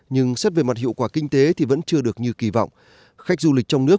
nhưng sắp về mặt hiệu quả kinh tế thì vẫn chưa được như kỳ vọng